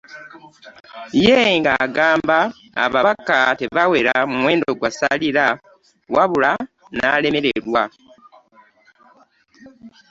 Ye nga agamba ababaka tebawera muwendo gwa ssalira wabula n'alemererwa.